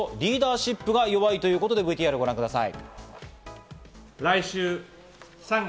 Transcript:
情報発信力とリーダーシップが弱い。ということでＶＴＲをご覧ください。